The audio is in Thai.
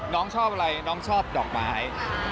น้องชอบอะไรน้องชอบดอกไม้